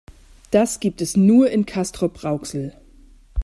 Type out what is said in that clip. Das gibt es nur in Castrop-Rauxel